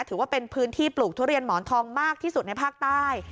ถือว่าเป็นพื้นที่ปลูกทุเรียนหมอนทองมากที่สุดในภาคใต้